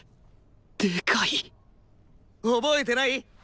でかい覚えてない？